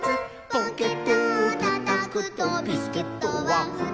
「ポケットをたたくとビスケットはふたつ」